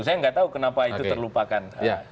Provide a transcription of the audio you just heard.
saya nggak tahu kenapa itu terlupakan